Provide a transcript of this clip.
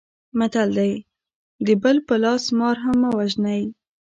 متل دی: د بل په لاس مار هم مه وژنئ.